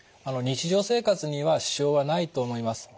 日常生活には支障はないと思います。